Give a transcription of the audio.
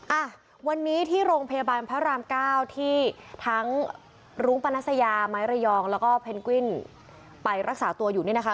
อ่ะวันนี้ที่โรงพยาบาลพระรามเก้าที่ทั้งรุ้งปนัสยาไม้ระยองแล้วก็เพนกวินไปรักษาตัวอยู่นี่นะคะ